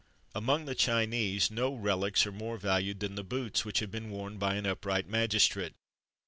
Among the Chinese no relics are more valued than the boots which have been worn by an upright magistrate.